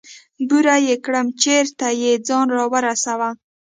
بوره يې کړم چېرته يې ځان راورسوه.